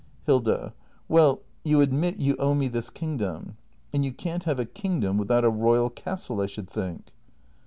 Hilda. Well — you admit you owe me this kingdom. And you can't have a kingdom without a royal castle, I should think!